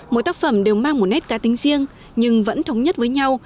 mỗi tác phẩm đều mang một nét cá tính riêng nhưng vẫn thống nhất với nhau